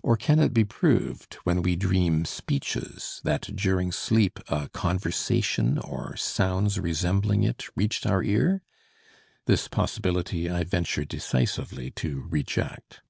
Or can it be proved, when we dream speeches, that during sleep a conversation or sounds resembling it reached our ear? This possibility I venture decisively to reject.